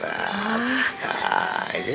nah ini ber